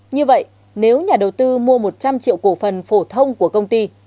như vậy nếu nhà đầu tư mua một trăm linh triệu cổ phần phổ thông của công ty